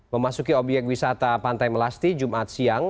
memasuki obyek wisata pantai melasti jumat siang